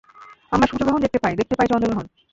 আমরা সূর্যগ্রহণ দেখতে পাই, দেখতে পাই চন্দ্রগ্রহণ।